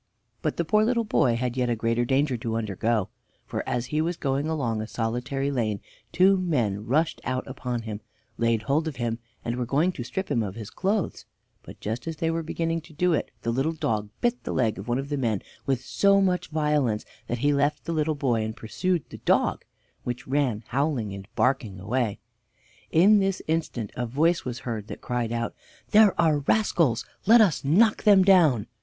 But the poor little boy had yet a greater danger to undergo, for as he was going along a solitary lane two men rushed out upon him, laid hold of him, and were going to strip him of his clothes; but just as they were beginning to do it the little dog bit the leg of one of the men with so much violence that he left the little boy and pursued the dog, which ran howling and barking away. In this instant a voice was heard that cried out: "There are the rascals! Let us knock them down!"